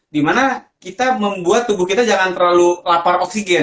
dimana kita membuat tubuh kita jangan terlalu lapar oksigen